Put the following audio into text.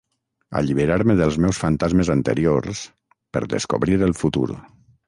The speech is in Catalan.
Alliberar-me dels meus fantasmes anteriors, per descobrir el futur.